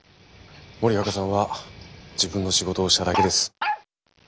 森若さんは自分の仕事をしただけです。